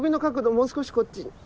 もう少しこっち。